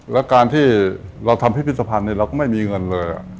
แล้วการที่เราทำพิพิธภัณฑ์เราก็ไม่มีเงินเลย